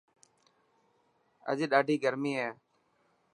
اڄ ڏاڌي گرمي هي.